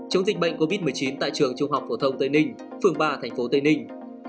chống dịch bệnh covid một mươi chín tại trường trung học phổ thông tây ninh phường ba thành phố tây ninh